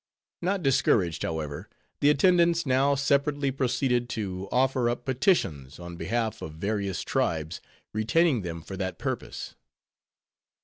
Not discouraged, however, the attendants now separately proceeded to offer up petitions on behalf of various tribes, retaining them for that purpose.